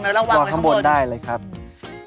ใส่ในท้องนะแล้ววางไว้ข้างบน